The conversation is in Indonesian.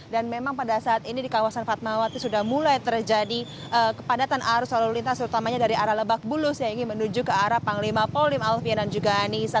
dan memang pada saat ini di kawasan fatmawati sudah mulai terjadi kepadatan arus solulitas terutamanya dari arah lebak bulus yang ini menuju ke arah panglima polim alfian dan juga anissa